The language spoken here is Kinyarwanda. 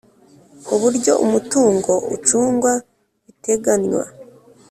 Uburyo umutungo ucungwa biteganywa